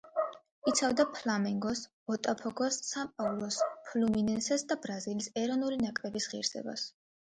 იცავდა „ფლამენგოს“, „ბოტაფოგოს“, „სან-პაულუს“, „ფლუმინენსეს“ და ბრაზილიის ეროვნული ნაკრების ღირსებას.